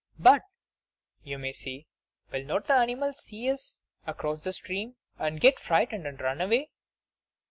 "But," you may say, "will not the animals see us across the stream, and get frightened and run away?"